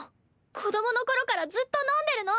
子どもの頃からずっと飲んでるの。